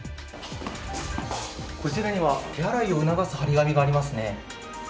こちらには手洗いを促す貼り紙がありますね。